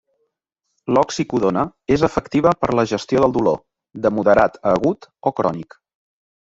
L'oxicodona és efectiva per la gestió del dolor, de moderat a agut o crònic.